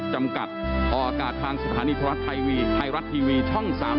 จำกัดออกอากาศทางสถานีธรรมไทยวีดิ์ไทยรัตน์ทีวีช่อง๓๒ครับ